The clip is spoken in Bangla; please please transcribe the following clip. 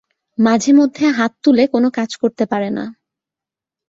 মাঝে মধ্যে হাত তুলে কোনো কাজ করতে পারে না।